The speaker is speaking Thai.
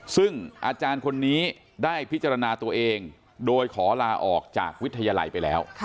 ซึ่งอาจารย์คนนี้ได้พิจารณาตัวเองโดยขอลาออกจากวิทยาลัยไปแล้ว